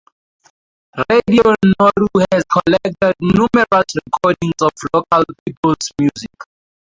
Radio Nauru has collected numerous recordings of local people's music.